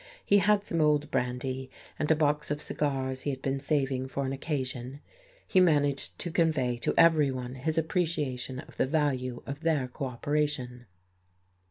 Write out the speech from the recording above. He had some old brandy, and a box of cigars he had been saving for an occasion. He managed to convey to everyone his appreciation of the value of their cooperation....